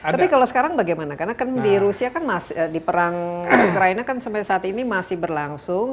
tapi kalau sekarang bagaimana karena kan di rusia kan di perang ukraina kan sampai saat ini masih berlangsung